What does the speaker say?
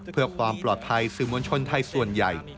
เพื่อความปลอดภัยสื่อมวลชนไทยส่วนใหญ่